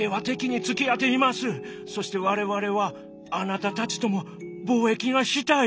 そして我々はあなたたちとも貿易がしたい！」。